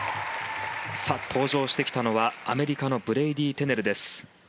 登場してきたのはアメリカのブレイディー・テネルです。